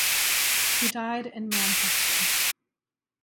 He died in Manchester.